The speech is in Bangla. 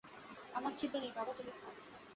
আমার খিদে নেই বাবা, তুমি খাও।